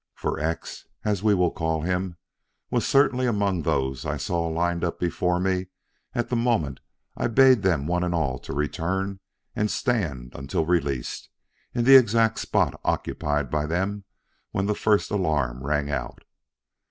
For X, as we will call him, was certainly among those I saw lined up before me at the moment I bade them one and all to return and stand until released, in the exact spot occupied by them when the first alarm rang out.